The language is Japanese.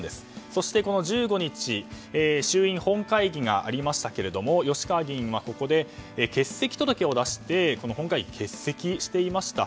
そしてこの１５日衆院本会議がありましたが吉川議員はここで欠席届を出して本会議を欠席していました。